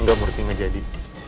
enggak murti nggak jadi